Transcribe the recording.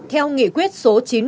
theo nghị quyết số chín mươi